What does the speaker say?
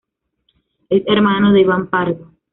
Es hermano de Iván Pardo.